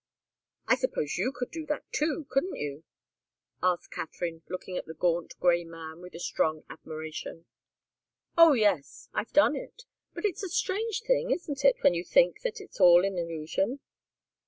"I suppose you could do that, too, couldn't you?" asked Katharine, looking at the gaunt, grey man with a strong admiration. "Oh, yes I've done it. But it's a strange thing, isn't it, when you think that it's all an illusion?"